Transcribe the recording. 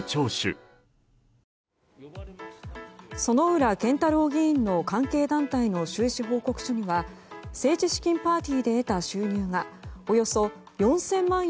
薗浦健太郎議員の関係団体の収支報告書には政治資金パーティーで得た収入がおよそ４０００万円